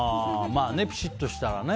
ピシッとしたね。